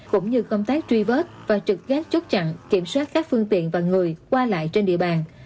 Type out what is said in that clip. cũng như công tác truy vết và trực gác chốt chặn kiểm soát các phương tiện và người qua lại trên địa bàn